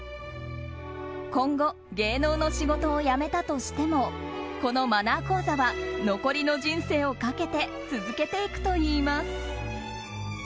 今後、芸能の仕事を辞めたとしてもこのマナー講座は残りの人生をかけて続けていくといいます。